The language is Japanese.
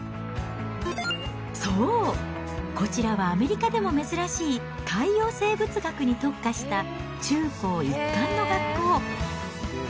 そう、こちらはアメリカでも珍しい、海洋生物学に特化した、中高一貫の学校。